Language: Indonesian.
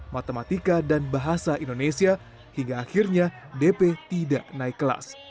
matematika dan bahasa indonesia hingga akhirnya dp tidak naik kelas